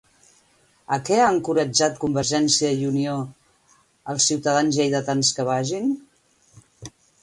A què ha encoratjat Convergiència i Unió als ciutadans lleidatans que vagin?